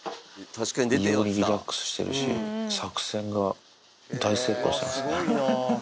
異様にリラックスしてるし、作戦が大成功してますね。